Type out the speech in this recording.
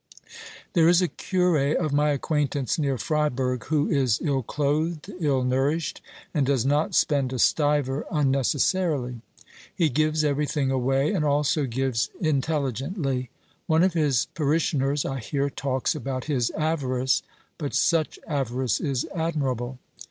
There is a cure of my acquaintance near Friburg who is ill clothed, ill nourished and does not spend a stiver un necessarily ; he gives everything away, and also gives intelli gently. One of his parishioners, I hear, talks about his avarice, but such avarice is admirable.